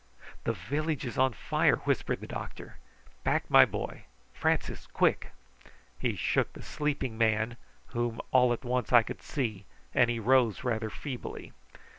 "The village is on fire!" whispered the doctor. "Back, my boy! Francis, quick!" He shook the sleeping man, whom all at once I could see, and he rose rather feebly.